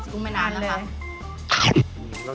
กุ้งเมนามนะคะ